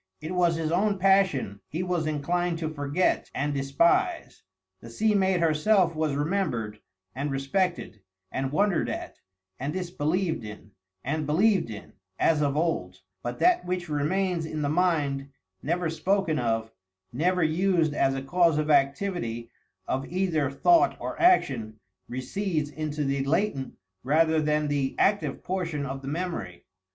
It was his own passion he was inclined to forget and despise; the sea maid herself was remembered, and respected, and wondered at, and disbelieved in, and believed in, as of old, but that which remains in the mind, never spoken of, never used as a cause of activity of either thought or action, recedes into the latent rather than the active portion of the memory.